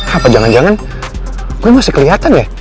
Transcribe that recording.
apa jangan jangan gue masih kelihatan ya